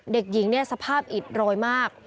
เด็กหญิงเนี่ยสภาพอิดโรยมาก